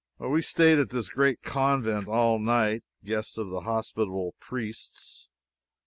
We staid at this great convent all night, guests of the hospitable priests.